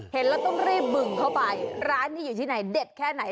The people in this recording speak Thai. เห็นแล้วต้องรีบบึงเข้าไปร้านนี้อยู่ที่ไหนเด็ดแค่ไหน